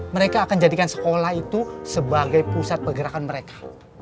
mereka akan jadikan sekolah itu sebagai pusat pergerakan mereka